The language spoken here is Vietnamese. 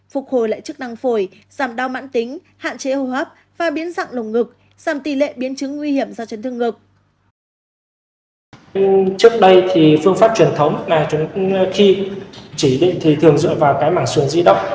phục hồi lại chức năng phổi giảm đau mãn tính hạn chế hô hấp và biến dạng lồng ngực giảm tỷ lệ biến chứng nguy hiểm do chấn thương ngực